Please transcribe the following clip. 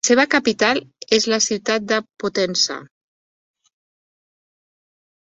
La seva capital és la ciutat de Potenza.